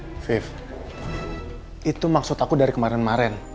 five itu maksud aku dari kemarin kemarin